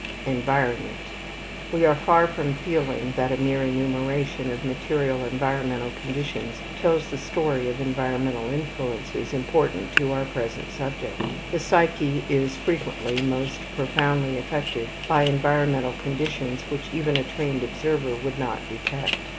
Environment. We are far from feeling that a mere enumeration of material environmental conditions tells the story of environmental influences important for our present subject. The psyche is frequently most profoundly affected by environmental conditions which even a trained observer would not detect.